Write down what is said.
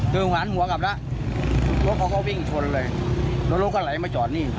คือหวานหัวกลับแล้วรถเขาก็วิ่งชนเลยแล้วรถก็ไหลมาจอดนี่